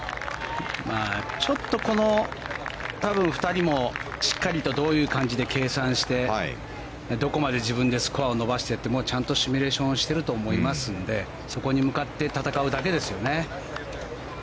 ちょっとこの２人もしっかりとどういう感じで計算してどこまで自分でスコアを伸ばしてってちゃんとシミュレーションをしていると思いますんでそこに向かって戦うだけですよね。